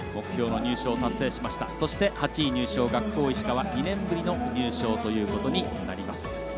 そして８位入賞、学法石川２年ぶりの入賞となります。